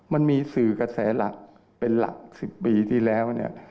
มันมีสื่อกระแสหลักเป็นหลัก๑๐ปีที่แล้วเนี่ย